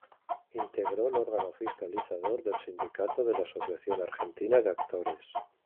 Integró el órgano fiscalizador del sindicato de la Asociación Argentina de Actores.